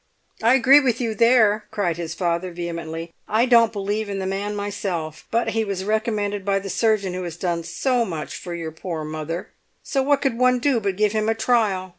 "I agree with you there!" cried his father vehemently. "I don't believe in the man myself; but he was recommended by the surgeon who has done so much for your poor mother, so what could one do but give him a trial?